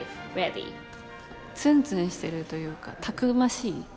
ツンツンしてるというかたくましい。